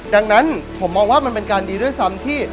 ดังนั้นผมมองว่ามันเป็นการดีด้วยซ้ำที่